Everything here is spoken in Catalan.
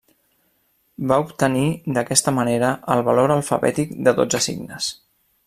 Va obtenir d'aquesta manera el valor alfabètic de dotze signes.